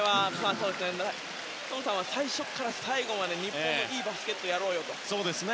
トムさんは最初から最後まで日本のいいバスケットをやろうよと。